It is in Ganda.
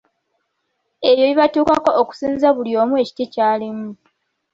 Ebyo bibatuukako okusinziira buli omu ekiti ky‘alimu.